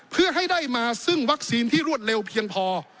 เพื่อให้ได้มาซึ่งวัคซีนที่รวดเร็วเพียงพอ